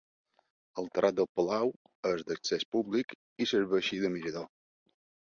El terrat del palau és d'accés públic i serveixi de mirador.